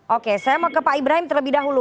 oke saya mau ke pak ibrahim terlebih dahulu